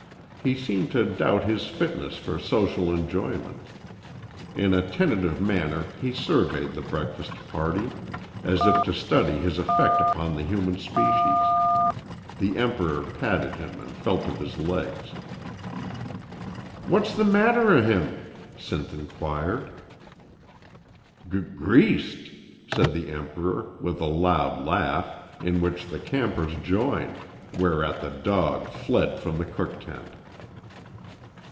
He seemed to doubt his fitness for social enjoyment. In a tentative manner he surveyed the breakfast party, as if to study his effect upon the human species. The Emperor patted him and felt of his legs. "What's the matter o' him?" Sinth inquired. "G greased!" said the Emperor, with a loud laugh, in which the campers joined, whereat the dog fled from the cook tent.